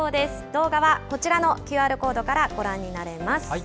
動画はこちらのＱＲコードからご覧になれます。